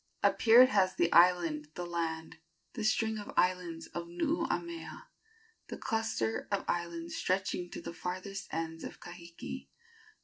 Appeared has the island, the land, The string of islands of Nuuamea, The cluster of islands stretching to the farthest ends of Kahiki.